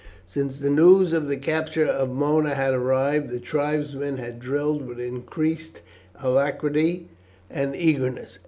Since the news of the capture of Mona had arrived, the tribesmen had drilled with increased alacrity and eagerness.